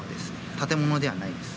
建物ではないです。